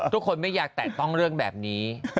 ไม่อยากแตะต้องเรื่องแบบนี้